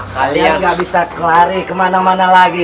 kalian gak bisa lari kemana mana lagi